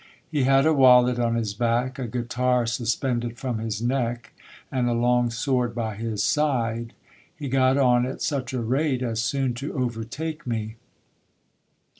He had a wallet on his back, a guitar suspended from his neck, and a long sword by his side. He got on at such a rate, as soon to overtake me.